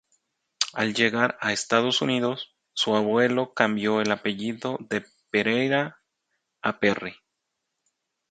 Al llegar a Estados Unidos su abuelo cambió el apellido de Pereira a Perry.